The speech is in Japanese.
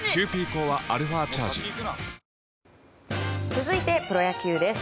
続いてプロ野球です。